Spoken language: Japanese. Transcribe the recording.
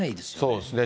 そうですね。